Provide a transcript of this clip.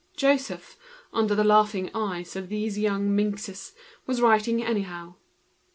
Joseph, exposed to the laughing eyes of these young minxes, was writing anyhow.